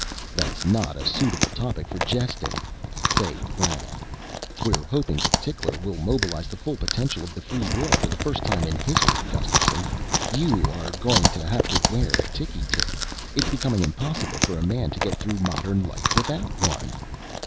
"That's not a suitable topic for jesting," Fay frowned. "We're hoping that Tickler will mobilize the full potential of the Free World for the first time in history. Gusterson, you are going to have to wear a ticky tick. It's becoming impossible for a man to get through modern life without one."